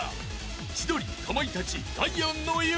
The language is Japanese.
［千鳥かまいたちダイアンの行方は？］